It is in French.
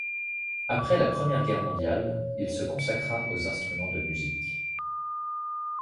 Après la Première Guerre mondiale, il se consacra aux instruments de musique.